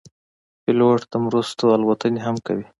پیلوټ د مرستو الوتنې هم کوي.